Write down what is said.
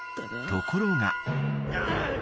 ［ところが］